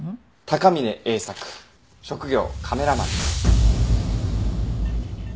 高峰英作職業カメラマン。